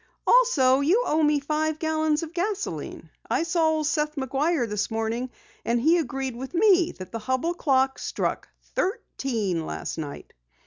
"Also, you owe me five gallons of gasoline. I saw old Seth McGuire this morning and he agreed with me that the Hubell clock struck thirteen last night."